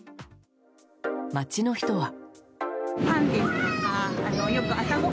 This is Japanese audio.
街の人は。